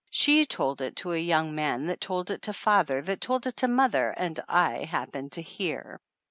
She told it to a young man that told it to father that told it to mother and I happened to hear.